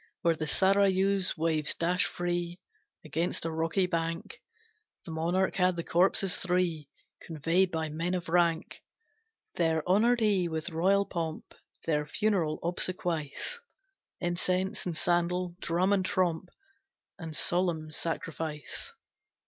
Where the Sarayu's waves dash free Against a rocky bank, The monarch had the corpses three Conveyed by men of rank; There honoured he with royal pomp Their funeral obsequies, Incense and sandal, drum and tromp, And solemn sacrifice.